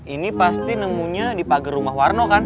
ini pasti nemunya di pagar rumah warno kan